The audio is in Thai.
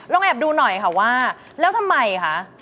แอบดูหน่อยค่ะว่าแล้วทำไมคะ